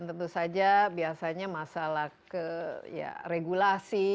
tentu saja biasanya masalah ke regulasi